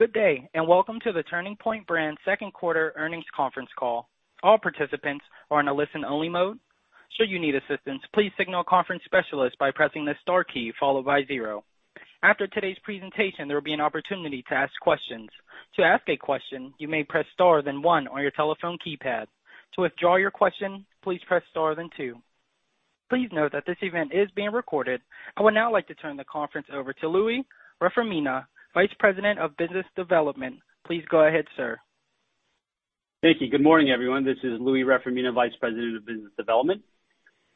Good day, welcome to the Turning Point Brands second quarter earnings conference call. All participants are in a listen-only mode. Should you need assistance, please signal a conference specialist by pressing the star key followed by zero. After today's presentation, there will be an opportunity to ask questions. To ask a question, you may press star then one on your telephone keypad. To withdraw your question, please press star then two. Please note that this event is being recorded. I would now like to turn the conference over to Louie Reformina, Vice President of Business Development. Please go ahead, sir. Thank you. Good morning, everyone. This is Louie Reformina, Vice President of Business Development.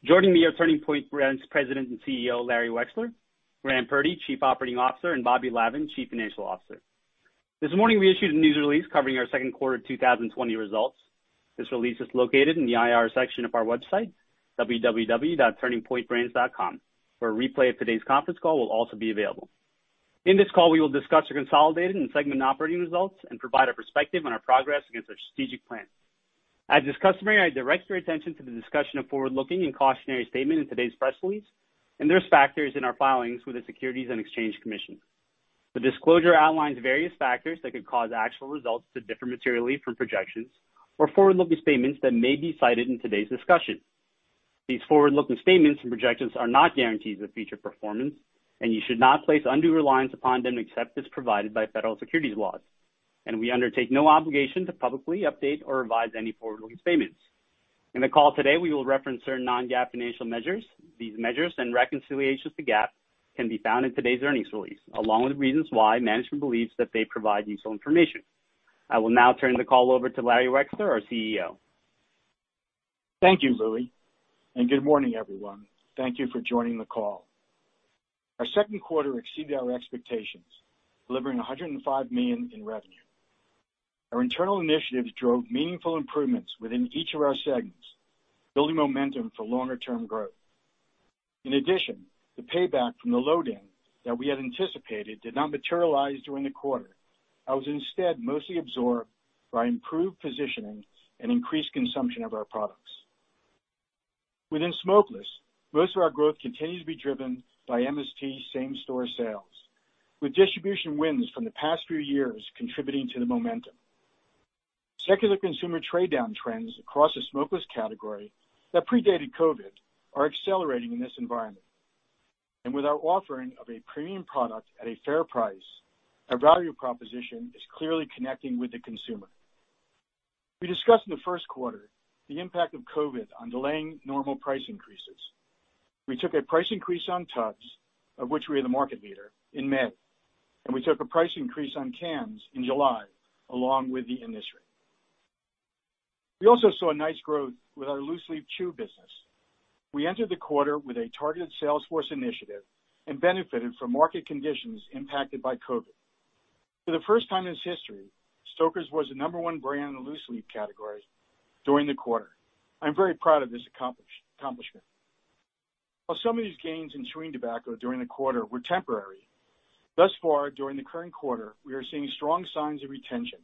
Joining me are Turning Point Brands President and CEO, Larry Wexler; Graham Purdy, Chief Operating Officer; and Bobby Lavan, Chief Financial Officer. This morning, we issued a news release covering our second quarter 2020 results. This release is located in the IR section of our website, www.turningpointbrands.com, where a replay of today's conference call will also be available. In this call, we will discuss our consolidated and segment operating results and provide a perspective on our progress against our strategic plan. As is customary, I direct your attention to the discussion of forward-looking and cautionary statement in today's press release, and those factors in our filings with the Securities and Exchange Commission. The disclosure outlines various factors that could cause actual results to differ materially from projections or forward-looking statements that may be cited in today's discussion. These forward-looking statements and projections are not guarantees of future performance, and you should not place undue reliance upon them except as provided by federal securities laws, and we undertake no obligation to publicly update or revise any forward-looking statements. In the call today, we will reference certain non-GAAP financial measures. These measures and reconciliations to GAAP can be found in today's earnings release, along with reasons why management believes that they provide useful information. I will now turn the call over to Larry Wexler, our CEO. Thank you, Louie, good morning, everyone. Thank you for joining the call. Our second quarter exceeded our expectations, delivering $105 million in revenue. Our internal initiatives drove meaningful improvements within each of our segments, building momentum for longer-term growth. In addition, the payback from the loading that we had anticipated did not materialize during the quarter and was instead mostly absorbed by improved positioning and increased consumption of our products. Within smokeless, most of our growth continues to be driven by MST same-store sales, with distribution wins from the past few years contributing to the momentum. Secular consumer trade-down trends across the smokeless category that predated COVID are accelerating in this environment. With our offering of a premium product at a fair price, our value proposition is clearly connecting with the consumer. We discussed in the first quarter the impact of COVID on delaying normal price increases. We took a price increase on tubs, of which we are the market leader, in May, and we took a price increase on cans in July, along with the industry. We also saw a nice growth with our loose-leaf chew business. We entered the quarter with a targeted salesforce initiative and benefited from market conditions impacted by COVID. For the first time in its history, Stoker's was the number one brand in the loose-leaf category during the quarter. I'm very proud of this accomplishment. While some of these gains in chewing tobacco during the quarter were temporary, thus far, during the current quarter, we are seeing strong signs of retention,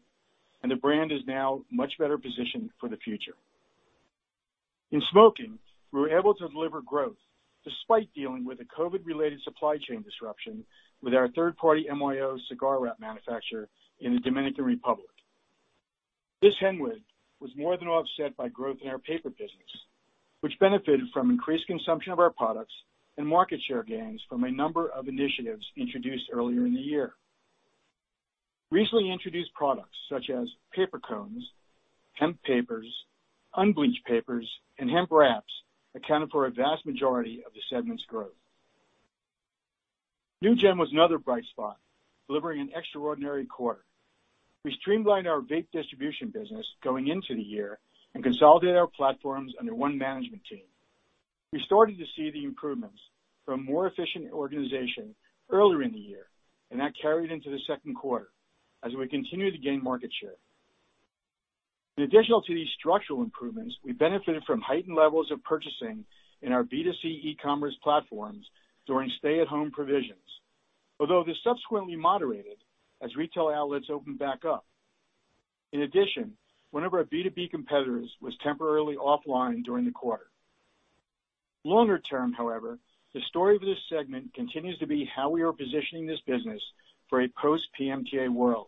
and the brand is now much better positioned for the future. In smoking, we were able to deliver growth despite dealing with a COVID-related supply chain disruption with our third-party MYO cigar wrap manufacturer in the Dominican Republic. This headwind was more than offset by growth in our paper business, which benefited from increased consumption of our products and market share gains from a number of initiatives introduced earlier in the year. Recently introduced products such as paper cones, hemp papers, unbleached papers, and hemp wraps accounted for a vast majority of the segment's growth. NewGen was another bright spot, delivering an extraordinary quarter. We streamlined our vape distribution business going into the year and consolidated our platforms under one management team. We started to see the improvements from more efficient organization earlier in the year, and that carried into the second quarter as we continued to gain market share. In addition to these structural improvements, we benefited from heightened levels of purchasing in our B2C e-commerce platforms during stay-at-home provisions. Although this subsequently moderated as retail outlets opened back up. In addition, one of our B2B competitors was temporarily offline during the quarter. Longer term, however, the story of this segment continues to be how we are positioning this business for a post-PMTA world.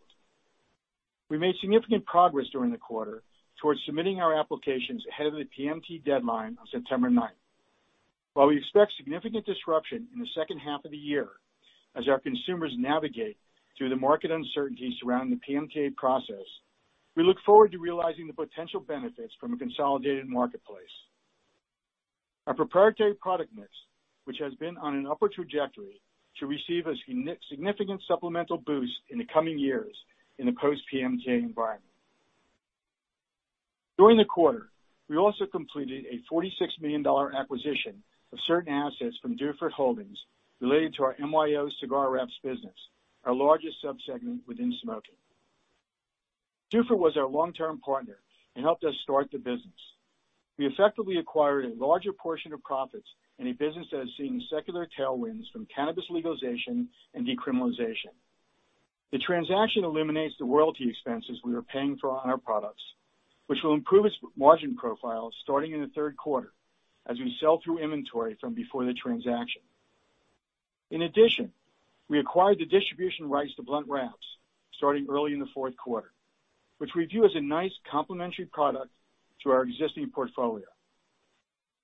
We made significant progress during the quarter towards submitting our applications ahead of the PMTA deadline on September 9. While we expect significant disruption in the second half of the year as our consumers navigate through the market uncertainties around the PMTA process, we look forward to realizing the potential benefits from a consolidated marketplace. Our proprietary product mix, which has been on an upward trajectory, should receive a significant supplemental boost in the coming years in a post-PMTA environment. During the quarter, we also completed a $46 million acquisition of certain assets from Durfort Holdings related to our MYO cigar wraps business, our largest sub-segment within smoking. Durfort was our long-term partner and helped us start the business. We effectively acquired a larger portion of profits in a business that is seeing secular tailwinds from cannabis legalization and decriminalization. The transaction eliminates the royalty expenses we were paying for on our products. Which will improve its margin profile starting in the third quarter as we sell through inventory from before the transaction. In addition, we acquired the distribution rights to blunt wraps starting early in the fourth quarter, which we view as a nice complementary product to our existing portfolio.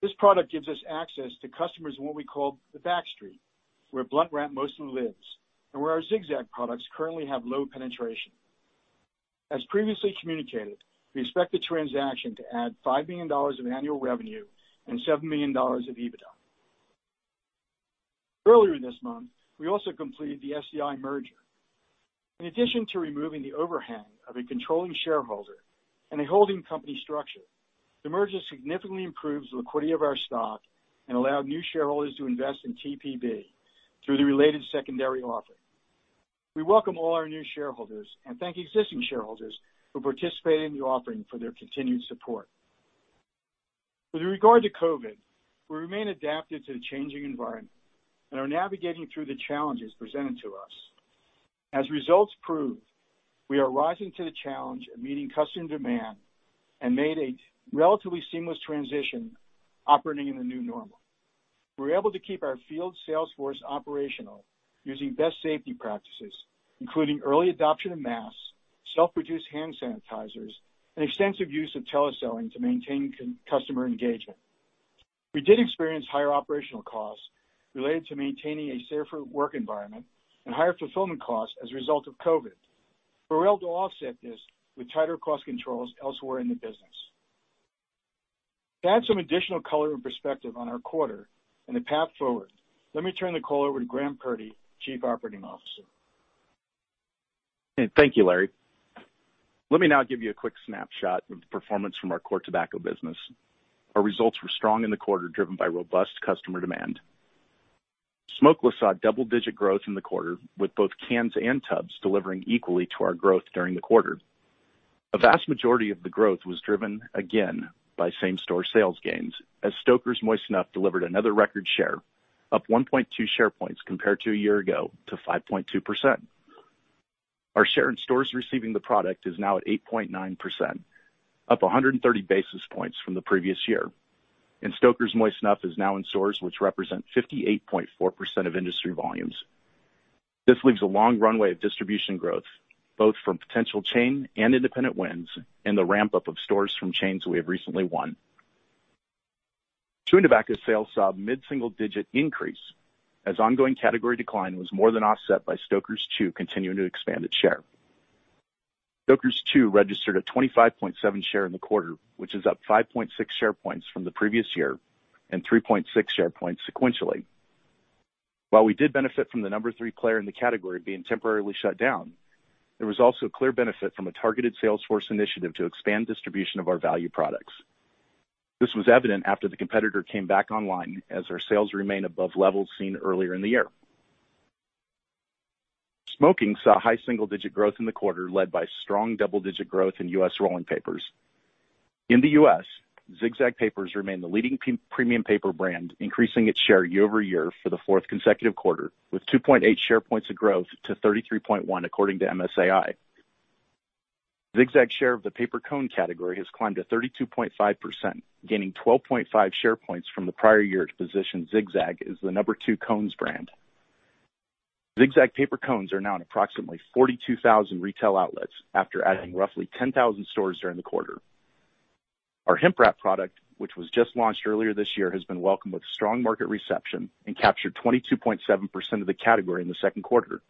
This product gives us access to customers in what we call the back street, where blunt wrap mostly lives, and where our Zig-Zag products currently have low penetration. As previously communicated, we expect the transaction to add $5 million of annual revenue and $7 million of EBITDA. Earlier this month, we also completed the SDI merger. In addition to removing the overhang of a controlling shareholder and a holding company structure, the merger significantly improves liquidity of our stock and allowed new shareholders to invest in TPB through the related secondary offering. We welcome all our new shareholders and thank existing shareholders who participated in the offering for their continued support. With regard to COVID, we remain adapted to the changing environment and are navigating through the challenges presented to us. As results prove, we are rising to the challenge of meeting customer demand and made a relatively seamless transition operating in the new normal. We were able to keep our field sales force operational using best safety practices, including early adoption of masks, self-produced hand sanitizers, and extensive use of teleselling to maintain customer engagement. We did experience higher operational costs related to maintaining a safer work environment and higher fulfillment costs as a result of COVID. We were able to offset this with tighter cost controls elsewhere in the business. To add some additional color and perspective on our quarter and the path forward, let me turn the call over to Graham Purdy, Chief Operating Officer. Thank you, Larry. Let me now give you a quick snapshot of the performance from our core tobacco business. Our results were strong in the quarter, driven by robust customer demand. Smokeless saw double-digit growth in the quarter, with both cans and tubs delivering equally to our growth during the quarter. A vast majority of the growth was driven, again, by same-store sales gains as Stoker's Moist Snuff delivered another record share, up 1.2 share points compared to a year ago to 5.2%. Our share in stores receiving the product is now at 8.9%, up 130 basis points from the previous year. Stoker's Moist Snuff is now in stores which represent 58.4% of industry volumes. This leaves a long runway of distribution growth, both from potential chain and independent wins and the ramp-up of stores from chains we have recently won. Chewing tobacco sales saw mid-single-digit increase as ongoing category decline was more than offset by Stoker's Chew continuing to expand its share. Stoker's Chew registered a 25.7 share in the quarter, which is up 5.6 share points from the previous year and 3.6 share points sequentially. While we did benefit from the number three player in the category being temporarily shut down, there was also a clear benefit from a targeted sales force initiative to expand distribution of our value products. This was evident after the competitor came back online, as our sales remained above levels seen earlier in the year. Smoking saw high single-digit growth in the quarter, led by strong double-digit growth in U.S. rolling papers. In the U.S., Zig-Zag papers remain the leading premium paper brand, increasing its share year-over-year for the fourth consecutive quarter, with 2.8 share points of growth to 33.1 according to MSAi. Zig-Zag's share of the paper cone category has climbed to 32.5%, gaining 12.5 share points from the prior year to position Zig-Zag as the number two cones brand. Zig-Zag paper cones are now in approximately 42,000 retail outlets after adding roughly 10,000 stores during the quarter. Our hemp wrap product, which was just launched earlier this year, has been welcomed with strong market reception and captured 22.7% of the category in the second quarter.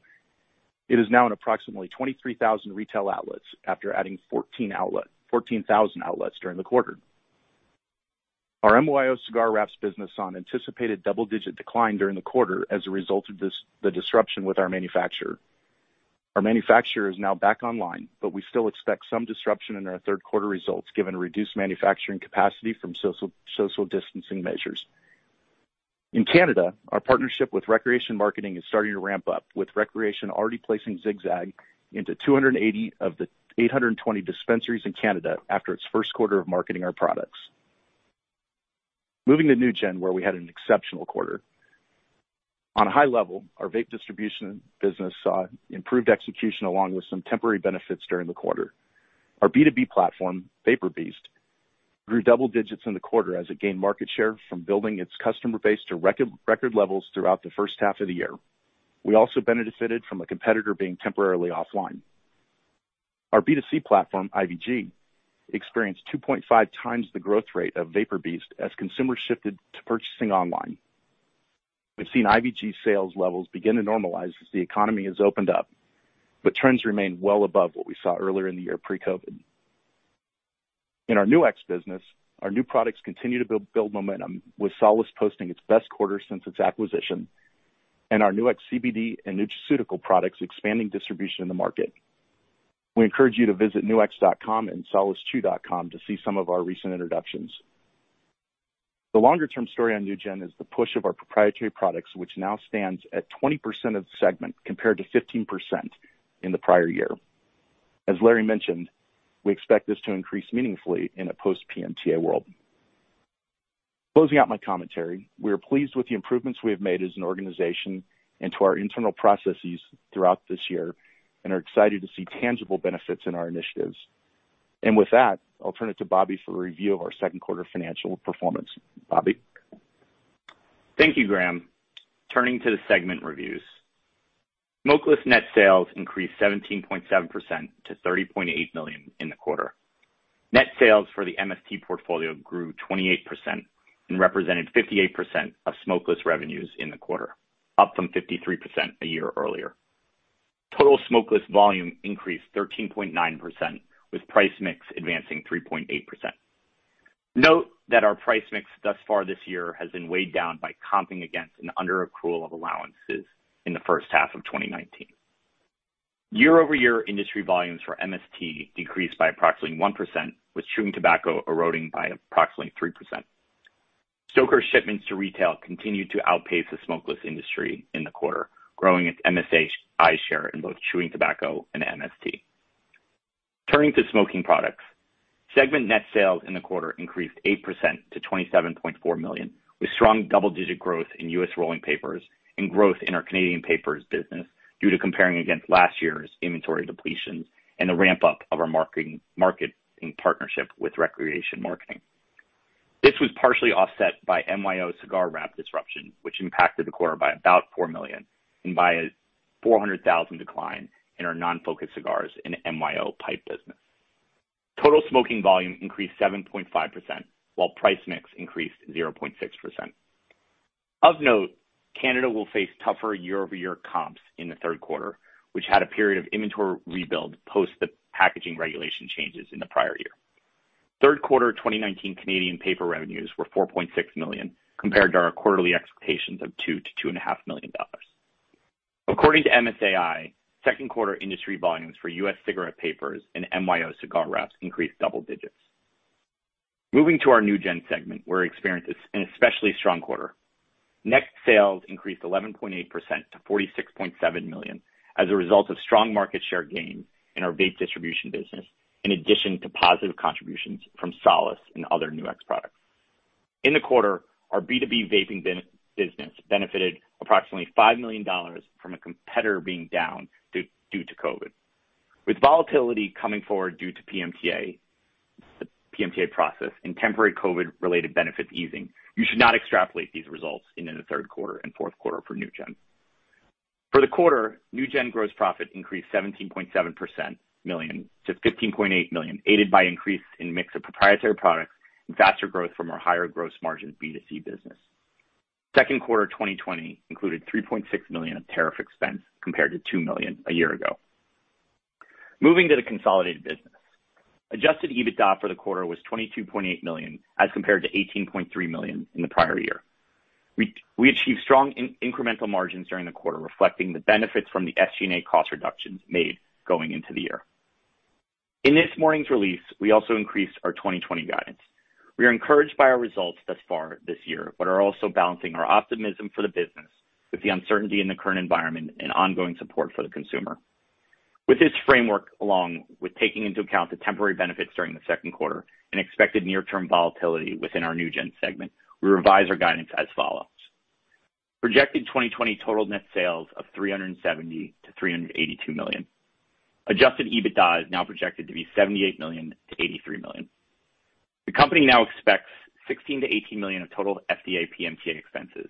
It is now in approximately 23,000 retail outlets after adding 14,000 outlets during the quarter. Our MYO cigar wraps business saw an anticipated double-digit decline during the quarter as a result of the disruption with our manufacturer. Our manufacturer is now back online, but we still expect some disruption in our third quarter results given reduced manufacturing capacity from social distancing measures. In Canada, our partnership with ReCreation Marketing is starting to ramp up, with ReCreation already placing Zig-Zag into 280 of the 820 dispensaries in Canada after its first quarter of marketing our products. Moving to NewGen, where we had an exceptional quarter. On a high level, our vape distribution business saw improved execution along with some temporary benefits during the quarter. Our B2B platform, VaporBeast, grew double digits in the quarter as it gained market share from building its customer base to record levels throughout the first half of the year. We also benefited from a competitor being temporarily offline. Our B2C platform, IVG, experienced 2.5x the growth rate of VaporBeast as consumers shifted to purchasing online. We've seen IVG sales levels begin to normalize as the economy has opened up, trends remain well above what we saw earlier in the year pre-COVID. In our Nu-X business, our new products continue to build momentum, with Solace posting its best quarter since its acquisition and our Nu-X CBD and nutraceutical products expanding distribution in the market. We encourage you to visit nu-x.com and solacevapor.com to see some of our recent introductions. The longer-term story on NewGen is the push of our proprietary products, which now stands at 20% of the segment compared to 15% in the prior year. As Larry mentioned, we expect this to increase meaningfully in a post-PMTA world. Closing out my commentary, we are pleased with the improvements we have made as an organization and to our internal processes throughout this year, are excited to see tangible benefits in our initiatives. With that, I'll turn it to Bobby for a review of our second quarter financial performance. Bobby? Thank you, Graham. Turning to the segment reviews. Smokeless net sales increased 17.7% to $30.8 million in the quarter. Net sales for the MST portfolio grew 28% and represented 58% of smokeless revenues in the quarter, up from 53% a year earlier. Total smokeless volume increased 13.9%, with price mix advancing 3.8%. Note that our price mix thus far this year has been weighed down by comping against an under-accrual of allowances in the first half of 2019. Year-over-year industry volumes for MST decreased by approximately 1%, with chewing tobacco eroding by approximately 3%. Stoker's shipments to retail continued to outpace the smokeless industry in the quarter, growing its MSAi share in both chewing tobacco and MST. Turning to smoking products. Segment net sales in the quarter increased 8% to $27.4 million, with strong double-digit growth in U.S. rolling papers and growth in our Canadian papers business due to comparing against last year's inventory depletions and the ramp-up of our marketing partnership with ReCreation Marketing. This was partially offset by MYO cigar wrap disruption, which impacted the quarter by about $4 million and by a $400 thousand decline in our non-focused cigars and MYO pipe business. Total smoking volume increased 7.5%, while price mix increased 0.6%. Of note, Canada will face tougher year-over-year comps in the third quarter, which had a period of inventory rebuild post the packaging regulation changes in the prior year. Third quarter 2019 Canadian paper revenues were $4.6 million, compared to our quarterly expectations of $2 million-$2.5 million. According to MSAi, second quarter industry volumes for U.S. cigarette papers and MYO cigar wraps increased double digits. Moving to our NewGen segment, where we experienced an especially strong quarter. Net sales increased 11.8% to $46.7 million as a result of strong market share gains in our vape distribution business, in addition to positive contributions from Solace and other Nu-X products. In the quarter, our B2B vaping business benefited approximately $5 million from a competitor being down due to COVID. With volatility coming forward due to the PMTA process and temporary COVID-related benefits easing, you should not extrapolate these results into the third quarter and fourth quarter for NewGen. For the quarter, NewGen gross profit increased 17.7% million to $15.8 million, aided by increase in mix of proprietary products and faster growth from our higher gross margin B2C business. Second quarter 2020 included $3.6 million of tariff expense compared to $2 million a year ago. Moving to the consolidated business. Adjusted EBITDA for the quarter was $22.8 million as compared to $18.3 million in the prior year. We achieved strong incremental margins during the quarter, reflecting the benefits from the SG&A cost reductions made going into the year. In this morning's release, we also increased our 2020 guidance. We are encouraged by our results thus far this year, but are also balancing our optimism for the business with the uncertainty in the current environment and ongoing support for the consumer. With this framework, along with taking into account the temporary benefits during the second quarter and expected near-term volatility within our NewGen segment, we revise our guidance as follows. Projected 2020 total net sales of $370 million-$382 million. Adjusted EBITDA is now projected to be $78 million-$83 million. The company now expects $16 million-$18 million of total FDA PMTA expenses.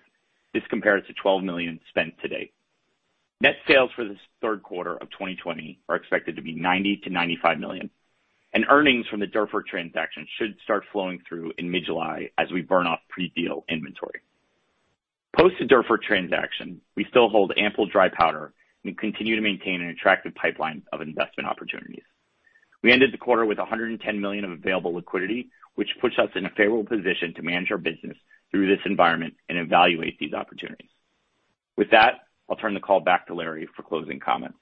This compares to $12 million spent to date. Net sales for this third quarter of 2020 are expected to be $90 million-$95 million, and earnings from the Durfort transaction should start flowing through in mid-July as we burn off pre-deal inventory. Post the Durfort transaction, we still hold ample dry powder and continue to maintain an attractive pipeline of investment opportunities. We ended the quarter with $110 million of available liquidity, which puts us in a favorable position to manage our business through this environment and evaluate these opportunities. With that, I'll turn the call back to Larry for closing comments.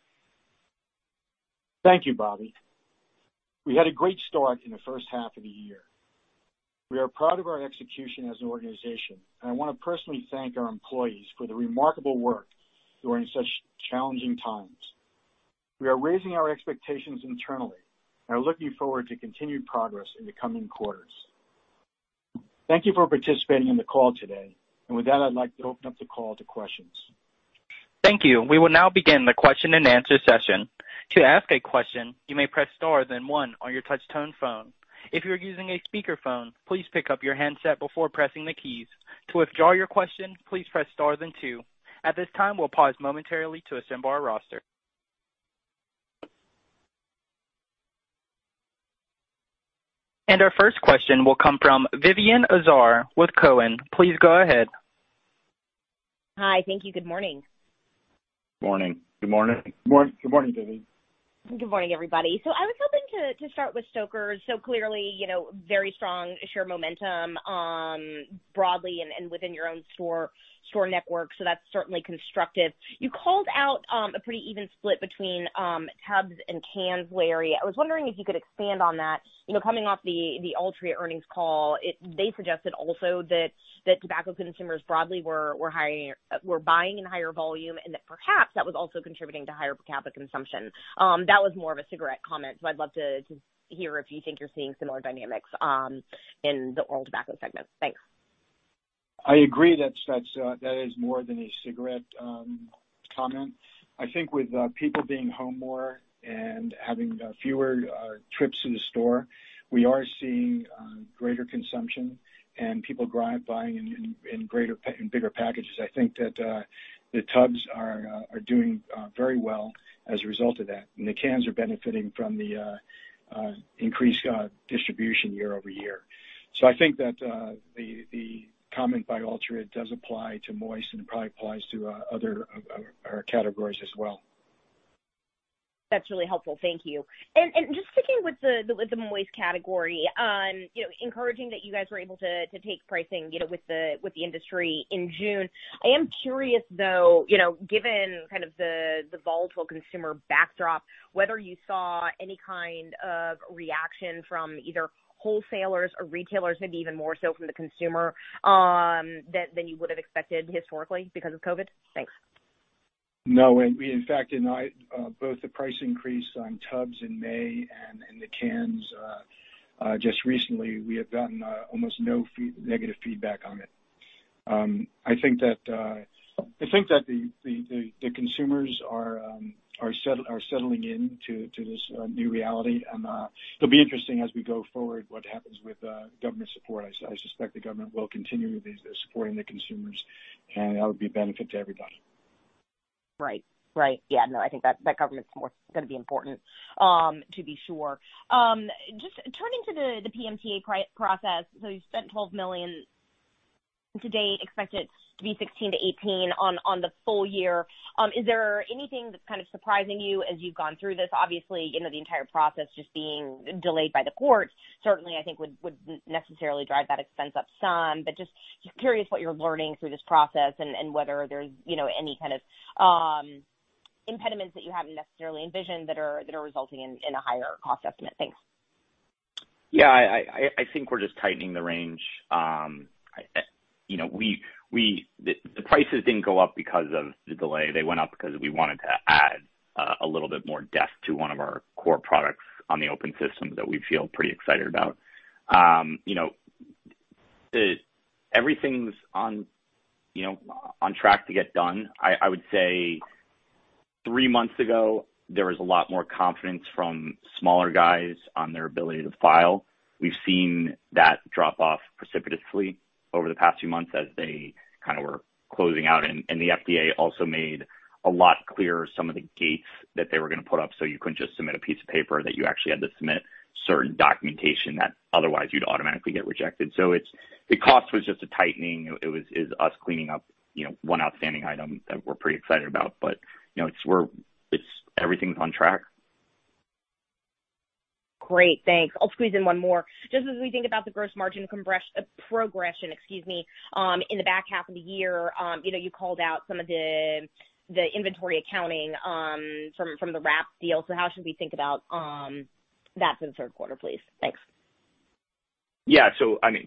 Thank you, Bobby. We had a great start in the first half of the year. We are proud of our execution as an organization, and I want to personally thank our employees for the remarkable work during such challenging times. We are raising our expectations internally and are looking forward to continued progress in the coming quarters. Thank you for participating in the call today. With that, I'd like to open up the call to questions. Thank you. We will now begin the question-and-answer session. To ask a question, you may press star then one on your touch-tone phone. If you are using a speakerphone, please pick up your handset before pressing the keys. To withdraw your question, please press star then two. At this time, we'll pause momentarily to assemble our roster. Our first question will come from Vivien Azer with Cowen. Please go ahead. Hi. Thank you. Good morning. Morning. Good morning. Good morning, Vivien. Good morning, everybody. I was hoping to start with Stoker's. Clearly, very strong share momentum broadly and within your own store network. That's certainly constructive. You called out a pretty even split between tubs and cans, Larry. I was wondering if you could expand on that. Coming off the Altria earnings call, they suggested also that tobacco consumers broadly were buying in higher volume, and that perhaps that was also contributing to higher per capita consumption. That was more of a cigarette comment, so I'd love to hear if you think you're seeing similar dynamics in the oral tobacco segment. Thanks. I agree that is more than a cigarette comment. I think with people being home more and having fewer trips to the store, we are seeing greater consumption and people buying in bigger packages. I think that the tubs are doing very well as a result of that, and the cans are benefiting from the increased distribution year-over-year. I think that the comment by Altria does apply to moist and it probably applies to other categories as well. That's really helpful. Thank you. Just sticking with the moist category, encouraging that you guys were able to take pricing with the industry in June. I am curious, though, given the volatile consumer backdrop, whether you saw any kind of reaction from either wholesalers or retailers, maybe even more so from the consumer, than you would have expected historically because of COVID? Thanks. No. In fact, both the price increase on tubs in May and the cans just recently, we have gotten almost no negative feedback on it. I think that the consumers are settling in to this new reality. It'll be interesting as we go forward what happens with government support. I suspect the government will continue supporting the consumers, and that would be a benefit to everybody. Right. Yeah, no, I think that government support is going to be important, to be sure. Just turning to the PMTA process. You've spent $12 million to date, expect it to be $16 million-$18 million on the full year. Is there anything that's surprising you as you've gone through this? Obviously, the entire process just being delayed by the courts certainly, I think, would necessarily drive that expense up some. Just curious what you're learning through this process and whether there's any kind of impediments that you haven't necessarily envisioned that are resulting in a higher cost estimate. Thanks. Yeah, I think we're just tightening the range. The prices didn't go up because of the delay. They went up because we wanted to add a little bit more depth to one of our core products on the open system that we feel pretty excited about. Everything's on track to get done. I would say three months ago, there was a lot more confidence from smaller guys on their ability to file. We've seen that drop off precipitously over the past few months as they were closing out. The FDA also made a lot clearer some of the gates that they were going to put up, so you couldn't just submit a piece of paper, that you actually had to submit certain documentation that otherwise you'd automatically get rejected. The cause was just a tightening. It was us cleaning up one outstanding item that we're pretty excited about. Everything's on track. Great, thanks. I'll squeeze in one more. Just as we think about the gross margin progression, excuse me, in the back half of the year, you called out some of the inventory accounting from the wrap deal. How should we think about that for the third quarter, please? Thanks. Yeah.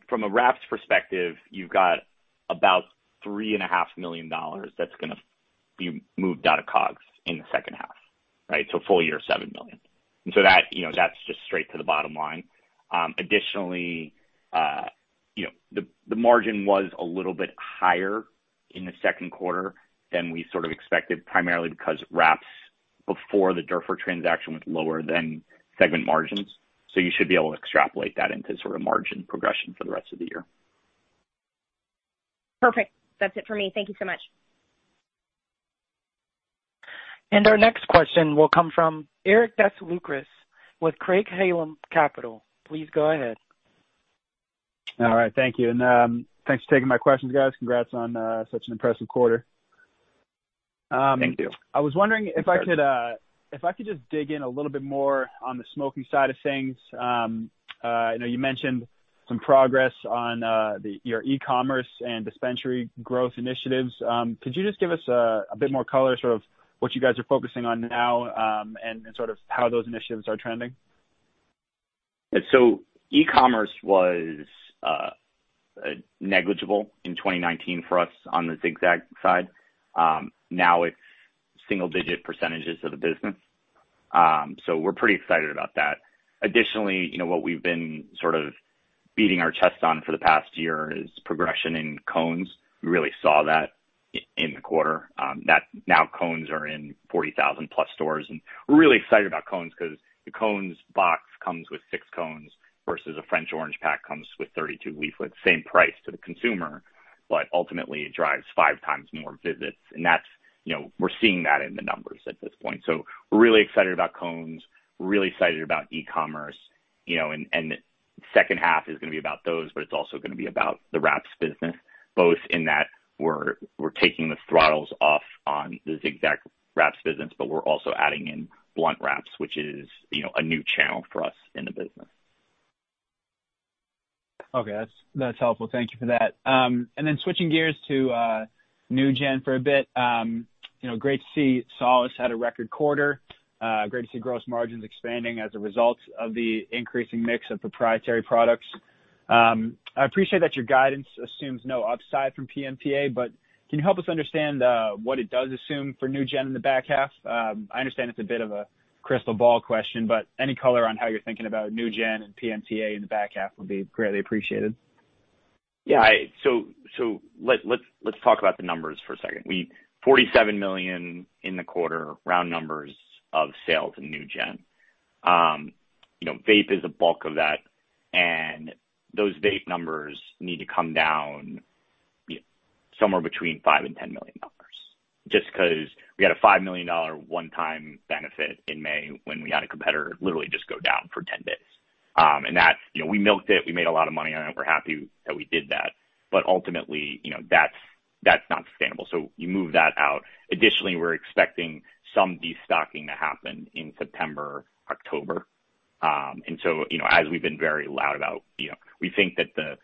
From a wraps perspective, you've got about $3.5 million that's going to be moved out of COGS in the second half. Full year, $7 million. That's just straight to the bottom line. Additionally, the margin was a little bit higher in the second quarter than we expected, primarily because wraps before the Durfort transaction was lower than segment margins. You should be able to extrapolate that into margin progression for the rest of the year. Perfect. That's it for me. Thank you so much. Our next question will come from Eric Des Lauriers with Craig-Hallum Capital. Please go ahead. All right. Thank you. Thanks for taking my questions, guys. Congrats on such an impressive quarter. Thank you. I was wondering if I could just dig in a little bit more on the smoking side of things. I know you mentioned some progress on your e-commerce and dispensary growth initiatives. Could you just give us a bit more color, what you guys are focusing on now, and how those initiatives are trending? E-commerce was negligible in 2019 for us on the Zig-Zag side. Now it's single-digit percentages of the business. We're pretty excited about that. Additionally, what we've been beating our chests on for the past year is progression in cones. We really saw that in the quarter. Now cones are in 40,000 plus stores. We're really excited about cones because the cones box comes with six cones versus a French Orange pack comes with 32 leaflets, same price to the consumer, but ultimately it drives five times more visits. We're seeing that in the numbers at this point. We're really excited about cones. We're really excited about e-commerce, and the second half is going to be about those, but it's also going to be about the wraps business, both in that we're taking the throttles off on the Zig-Zag wraps business, but we're also adding in blunt wraps, which is a new channel for us in the business. Okay, that's helpful. Thank you for that. Switching gears to NewGen for a bit. Great to see Solace had a record quarter. Great to see gross margins expanding as a result of the increasing mix of proprietary products. I appreciate that your guidance assumes no upside from PMTA, but can you help us understand what it does assume for NewGen in the back half? I understand it's a bit of a crystal ball question, but any color on how you're thinking about NewGen and PMTA in the back half would be greatly appreciated. Yeah. Let's talk about the numbers for a second. $47 million in the quarter, round numbers of sales in NewGen. Vape is a bulk of that, and those vape numbers need to come down somewhere between $5 million-$10 million, just because we had a $5 million one-time benefit in May when we had a competitor literally just go down for 10 days. We milked it. We made a lot of money on it. We're happy that we did that. Ultimately, that's not sustainable. You move that out. Additionally, we're expecting some de-stocking to happen in September, October. As we've been very loud about, we think that the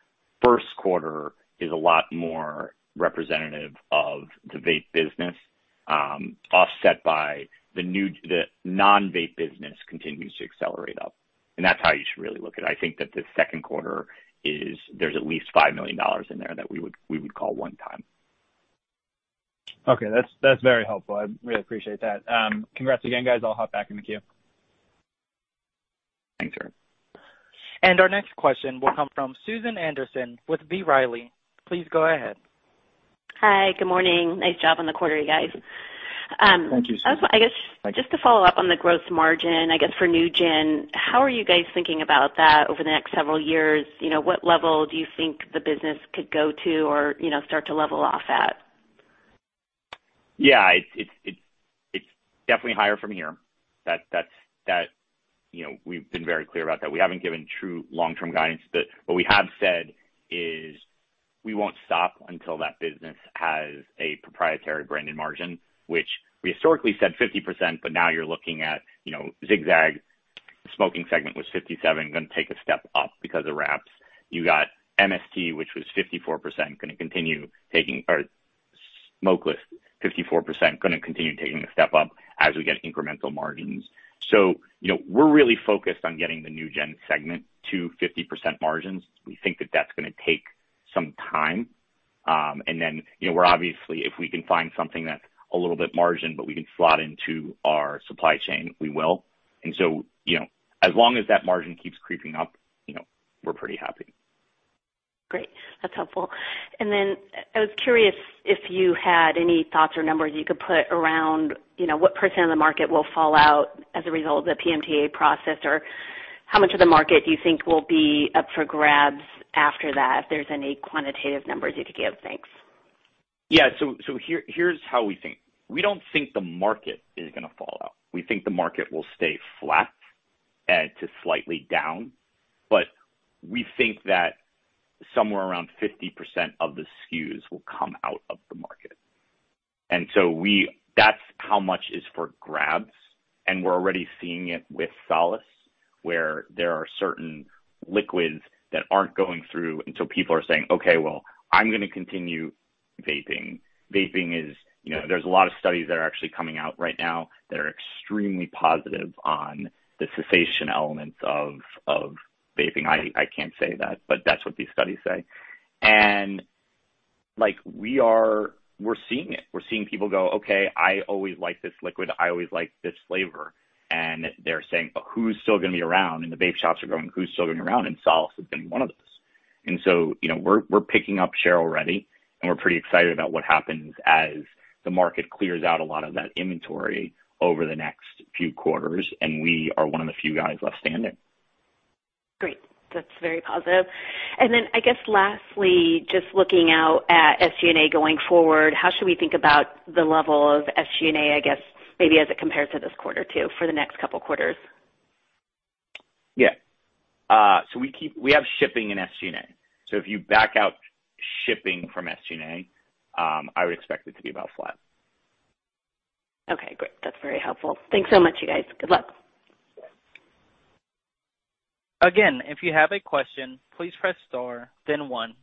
first quarter is a lot more representative of the vape business, offset by the non-vape business continues to accelerate up. That's how you should really look at it. I think that the second quarter, there's at least $5 million in there that we would call one time. Okay. That's very helpful. I really appreciate that. Congrats again, guys. I'll hop back in the queue. Thanks, Eric. Our next question will come from Susan Anderson with B. Riley. Please go ahead. Hi. Good morning. Nice job on the quarter, you guys. Thank you, Susan. I guess just to follow up on the gross margin, I guess for NewGen, how are you guys thinking about that over the next several years? What level do you think the business could go to or start to level off at? Yeah. It's definitely higher from here. We've been very clear about that. We haven't given true long-term guidance, what we have said is we won't stop until that business has a proprietary branded margin, which we historically said 50%, but now you're looking at Zig-Zag Smoking segment was 57, going to take a step up because of wraps. You got MST, which was 54%, going to continue taking a step up. Smokeless 54%, going to continue taking a step up as we get incremental margins. We're really focused on getting the NewGen segment to 50% margins. We think that that's going to take some time. We're obviously, if we can find something that's a little bit margin, but we can slot into our supply chain, we will. As long as that margin keeps creeping up, we're pretty happy. Great. That's helpful. I was curious if you had any thoughts or numbers you could put around what % of the market will fall out as a result of the PMTA process, or how much of the market do you think will be up for grabs after that, if there's any quantitative numbers you could give. Thanks. Yeah. Here's how we think. We don't think the market is going to fall out. We think the market will stay flat to slightly down. We think that somewhere around 50% of the SKUs will come out of the market. That's how much is for grabs, and we're already seeing it with Solace, where there are certain liquids that aren't going through, and so people are saying, "Okay, well, I'm going to continue vaping." There's a lot of studies that are actually coming out right now that are extremely positive on the cessation elements of vaping. I can't say that, but that's what these studies say. We're seeing it. We're seeing people go, "Okay, I always liked this liquid. I always liked this flavor." they're saying, "But who's still going to be around?" the vape shops are going, "Who's still going to be around?" Solace has been one of those. we're picking up share already, and we're pretty excited about what happens as the market clears out a lot of that inventory over the next few quarters, and we are one of the few guys left standing. Great. That's very positive. I guess lastly, just looking out at SG&A going forward, how should we think about the level of SG&A, I guess maybe as it compares to this quarter too, for the next couple quarters? Yeah. We have shipping and SG&A. If you back out shipping from SG&A, I would expect it to be about flat. Okay, great. That's very helpful. Thanks so much, you guys. Good luck. Again, if you have a question, please press star, then one.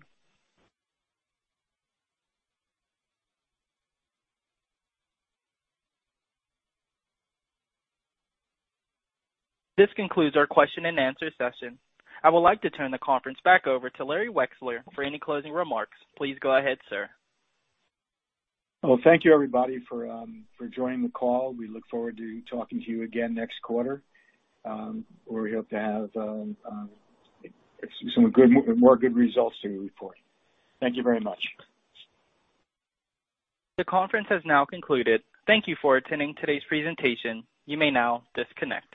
This concludes our question-and-answer session. I would like to turn the conference back over to Larry Wexler for any closing remarks. Please go ahead, sir. Well, thank you, everybody, for joining the call. We look forward to talking to you again next quarter, where we hope to have more good results to report. Thank you very much. The conference has now concluded. Thank you for attending today's presentation. You may now disconnect.